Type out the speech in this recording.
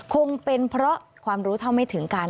คงเป็นเพราะความรู้เท่าไม่ถึงกัน